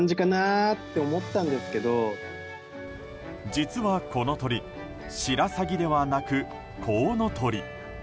実は、この鳥シラサギではなくコウノトリ。